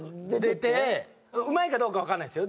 出てうまいかどうか分かんないっすよ